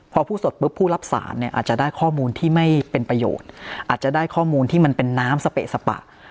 พอพูดสดปุ๊บผู้รับสารเนี่ยอาจจะได้ข้อมูลที่ไม่เป็นประโยชน์อาจจะได้ข้อมูลที่มันเป็นน้ำสเปะสปะ